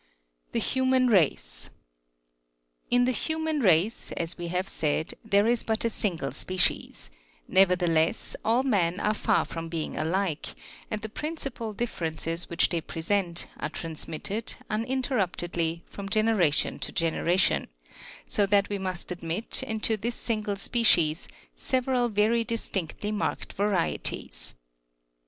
THE HUMAN RACE. 1 1 . In the human race, as we have said, there is but a single species ; nevertheless, all men are far from being alike, and the principal differences which they present, are transmitted, uninter ruptedly, from generation to generation ; so that we must admit, into this single species, several very distinctly marked varieties.